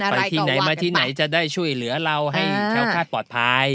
ไปที่ไหนมาที่ไหนจะได้ช่วยเหลือเราให้ชาวคาดปลอดภัย